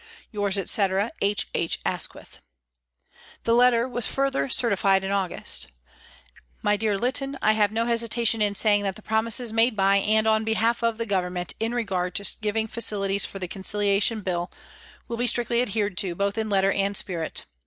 " Yours, etc., " H. H. ASQUITH." This letter was further certified in August :" MY DEAR LYTTON, I have no hesitation in saying that the promises made by, and on behalf of, the Government, in regard to giving facilities for the ' Conciliation Bill,' will be strictly adhered to, both in letter and spirit.